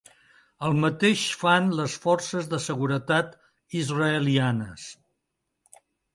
El mateix fan les forces de seguretat israelianes.